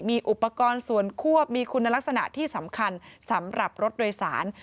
มีอุปกรณ์ส่วนควบมีคุณลักษณะที่สำคัญสำหรับรถโดยสาร